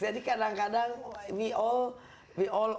jadi kadang kadang we all overhelmed